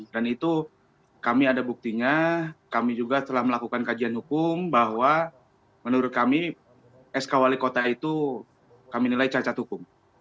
dan itu kami ada buktinya kami juga telah melakukan kajian hukum bahwa menurut kami sk wali kota itu kami nilai cacat hukum